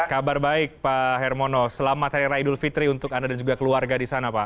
kabar baik pak hermono selamat hari raya idul fitri untuk anda dan juga keluarga di sana pak